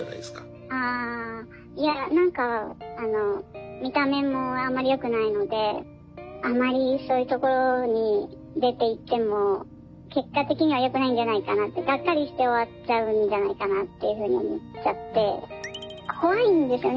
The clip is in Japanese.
ああいや何か見た目もあんまりよくないのであまりそういうところに出ていっても結果的にはよくないんじゃないかなってがっかりして終わっちゃうんじゃないかなというふうに思っちゃって怖いんですよね。